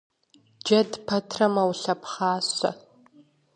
Джэд пэтрэ мэулъэпхъащэ.